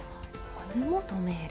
これも留める。